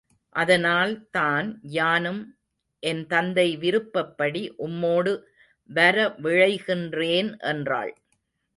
அதனால் தான் யானும் என் தந்தை விருப்பப்படி உம்மோடு வர விழைகின்றேன் என்றாள்.